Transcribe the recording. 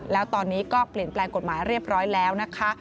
แล้วตอนนี้ก็เปลี่ยนแปลงกฎหมายเรียบร้อยแล้วนะคะ